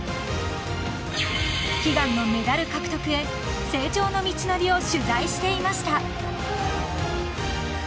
［悲願のメダル獲得へ成長の道のりを取材していました］